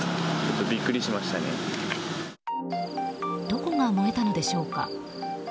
どこが燃えたのでしょうか。